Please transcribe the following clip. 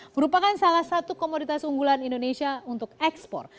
merupakan salah satu komoditas unggulan indonesia untuk ekspor